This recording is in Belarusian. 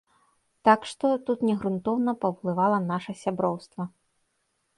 Так што, тут не грунтоўна паўплывала наша сяброўства.